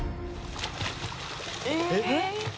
「えっ！」